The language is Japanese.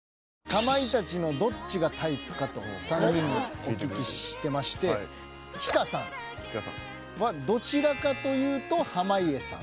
かまいたちのどっちがタイプかと３人にお聞きしてましてひかさんはどちらかというと濱家さん。